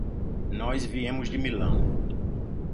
Nós viemos de Milão.